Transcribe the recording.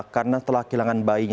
karena telah kehilangan bayinya